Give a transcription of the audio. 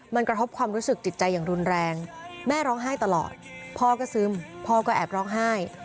มันกระทบความรู้สึกจิตใจอย่างรุนแรงแม่ร้องไห้ตลอดพ่อก็ซึมพ่อก็แอบร้องไห้